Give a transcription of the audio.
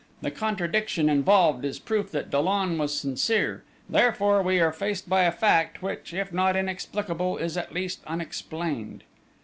the contradiction involved is proof that Dollon was sincere; therefore, we are faced by a fact which, if not inexplicable, is, at least, unexplained."